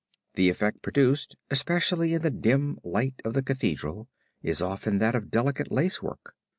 The effect produced, especially in the dim light of the Cathedral, is often that of delicate lace work.